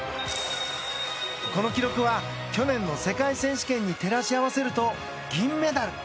この記録は去年の世界選手権に照らし合わせると銀メダル。